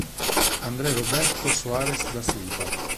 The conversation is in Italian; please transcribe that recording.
André Roberto Soares da Silva